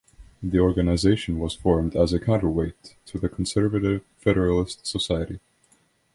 The organization was formed as a counterweight to the conservative Federalist Society.